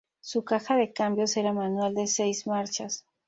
Su caja de cambios era manual de seis marchas.